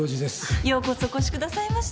ようこそお越しくださいました。